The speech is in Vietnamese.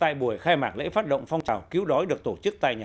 tại buổi khai mạc lễ phát động phong trào cứu đói được tổ chức tại nhà